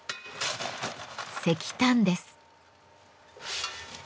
石炭です。